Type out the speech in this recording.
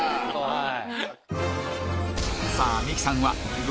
はい！